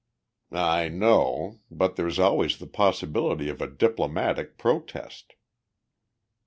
"I know. But there's always the possibility of a diplomatic protest."